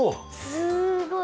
すごい！